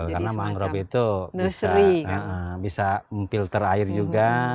karena mangrove itu bisa memfilter air juga